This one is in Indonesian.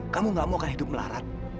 kamu gak mau akan hidup melarat